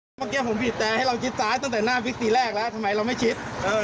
เมื่อกี้ผมบีบแต่ให้เราชิดซ้ายตั้งแต่หน้าวิกตีแรกแล้วทำไมเราไม่คิด